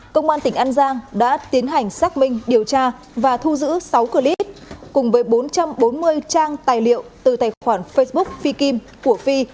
công an tỉnh an giang đã tiến hành xác minh điều tra và thu giữ sáu clip cùng với bốn trăm bốn mươi trang tài liệu từ tài khoản facebook phi kim của phi